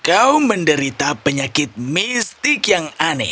kau menderita penyakit mistik yang aneh